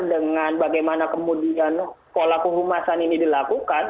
dengan bagaimana kemudian pola kehumasan ini dilakukan